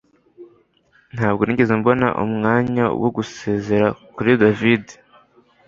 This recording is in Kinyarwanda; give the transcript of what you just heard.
Ntabwo nigeze mbona umwanya wo gusezera kuri David